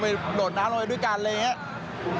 ก็อยากจะโดดน้ำลงไปด้วยกันอะไรอย่างนี้